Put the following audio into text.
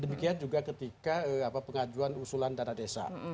demikian juga ketika pengajuan usulan dana desa